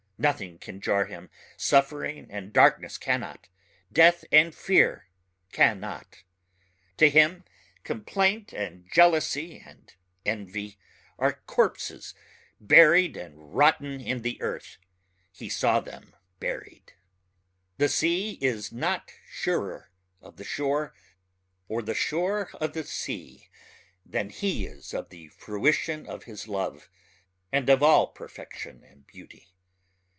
Nothing can jar him ... suffering and darkness cannot death and fear cannot. To him complaint and jealousy and envy are corpses buried and rotten in the earth ... he saw them buried. The sea is not surer of the shore or the shore of the sea than he is of the fruition of his love and of all perfection and beauty.